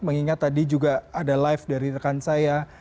mengingat tadi juga ada live dari rekan saya